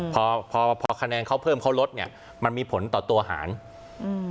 พอพอพอคะแนนเขาเพิ่มเขาลดเนี้ยมันมีผลต่อตัวหารอืม